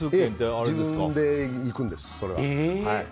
自分で行くんです、それは。